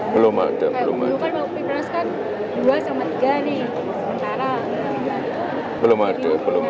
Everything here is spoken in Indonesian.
belum ada belum ada